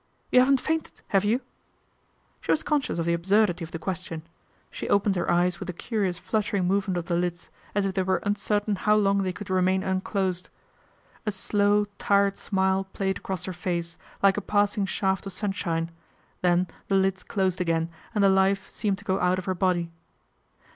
" You haven't fainted, have you ?" She was conscious of the absurdity of the ques tion. She opened her eyes with a curious fluttering movement of the lids, as if they were uncertain how long they could remain unclosed. A slow, tired smile played across her face, like a passing shaft of sunshine, then the lids closed again and the life seemed to go out of her body.